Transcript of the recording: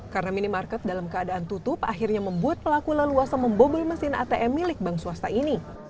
karena minimarket dalam keadaan tutup akhirnya membuat pelaku leluasa membobol mesin atm milik bank swasta ini